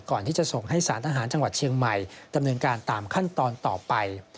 ก่อนที่จะส่งให้สารทหารจังหวัดเชียงใหม่ดำเนินการตามขั้นตอนต่อไป